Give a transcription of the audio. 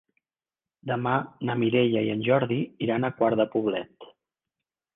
Demà na Mireia i en Jordi iran a Quart de Poblet.